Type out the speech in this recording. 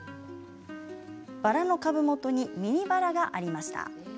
バラの株元にミニバラがありました。